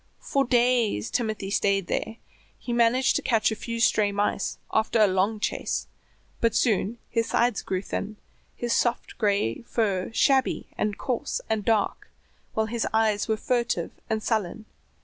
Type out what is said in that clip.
For days Timothy stayed there; he managed to catch a few stray mice after a long chase, but soon his sides grew thin, his soft gray fur shabby and coarse and dark, while his eyes were furtive and sullen.